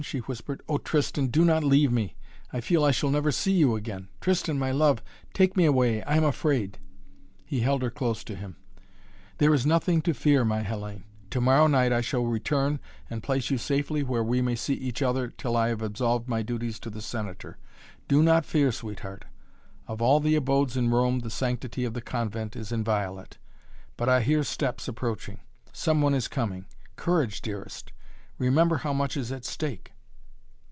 she whispered, "Oh, Tristan, do not leave me! I feel I shall never see you again, Tristan my love take me away I am afraid " He held her close to him. "There is nothing to fear, my Hellayne! To morrow night I shall return and place you safely where we may see each other till I have absolved my duties to the Senator. Do not fear, sweetheart! Of all the abodes in Rome the sanctity of the convent is inviolate! But I hear steps approaching some one is coming. Courage, dearest remember how much is at stake!"